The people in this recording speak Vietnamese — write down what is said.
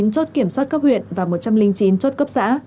một mươi chín chốt kiểm soát cấp huyện và một trăm linh chín chốt cấp xã